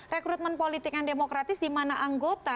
rekrutmen politik yang demokratis di mana anggota